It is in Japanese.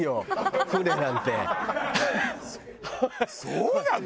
そうなの？